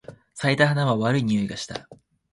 咲いた花は悪い匂いがした。